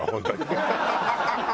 ハハハハ！